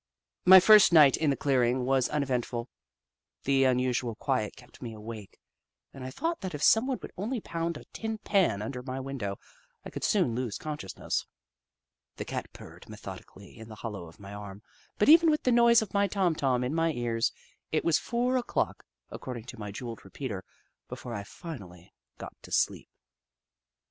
My first night in the clearing was unevent ful. The unusual quiet kept me awake, and I thought that if someone would only pound a tin pan under my window, I could soon lose consciousness. The Cat purred methodically in the hollow of my arm, but even with the noise of my Tom Tom in my ears, it was four o'clock, according to my jewelled repeater, before I finally got to sleep.